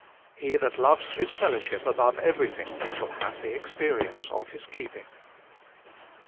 He that loves His fellowship above everything shall have the experience of His keeping.